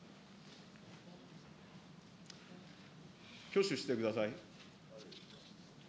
挙手してください。